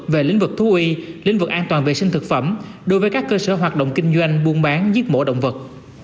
về lĩnh vực thú y lĩnh vực an toàn vệ sinh thực phẩm đối với các cơ sở hoạt động kinh doanh buôn bán giết mổ động vật